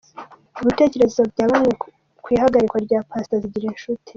Ibitekerezo bya bamwe ku ihagarikwa rya Pastor Zigirinshuti.